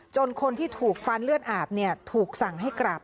คนที่ถูกฟันเลือดอาบถูกสั่งให้กราบ